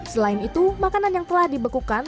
selain itu makanan yang telah dibekukan